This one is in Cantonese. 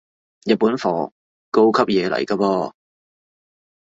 日本貨，高級嘢嚟個噃